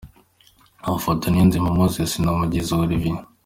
Amafoto: Niyonzima Moses na Mugwiza Olivier.